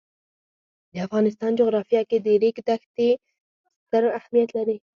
د افغانستان جغرافیه کې د ریګ دښتې ستر اهمیت لري.